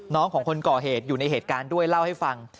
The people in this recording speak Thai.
ของคนก่อเหตุอยู่ในเหตุการณ์ด้วยเล่าให้ฟัง